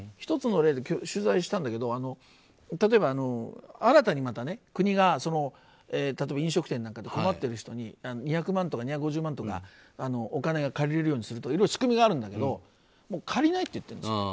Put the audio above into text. １つの例で取材したんだけど例えば新たに国が、飲食店なんかで困っている人に２００万とか２５０万とかお金が借りれるようにするとかいろいろ仕組みがあるんだけど借りないって言ってるんです。